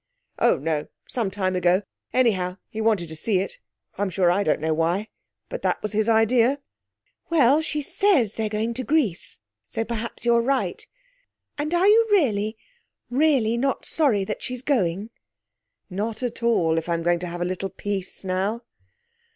'Oh, no some time ago. Anyhow, he wanted to see it I'm sure I don't know why. But that was his idea.' 'Well, she says they're going to Greece, so perhaps you're right. And are you really, really not sorry that she's going?' 'Not at all, if I'm going to have a little peace now.'